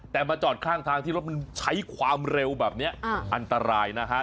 แต่มาจอดข้างทางที่รถมันใช้ความเร็วแบบนี้อันตรายนะฮะ